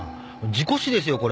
事故死ですよこれ。